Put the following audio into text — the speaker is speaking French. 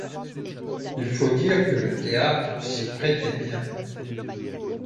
Il faut dire que le théâtre s'y prêtait bien.